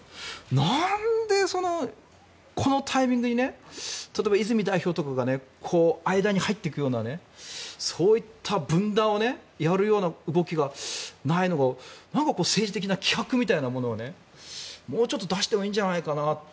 なんでこのタイミングに例えば泉代表とかが間に入っていくようなそういった分断をやるような動きがないのが政治的な気迫みたいなものをもう少し出してもいいのではと。